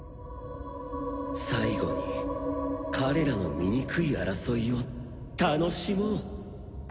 最後に彼らの醜い争いを楽しもう。